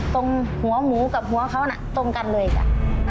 ตรงหัวหมูกับหัวเขาน่ะตรงกันเลยจ้ะ